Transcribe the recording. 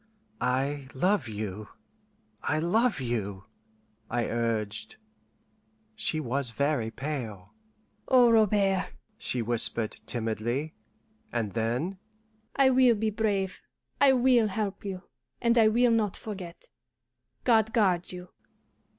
"I love you! I love you!" I urged. She was very pale. "Oh, Robert!" she whispered timidly; and then, "I will be brave, I will help you, and I will not forget. God guard you."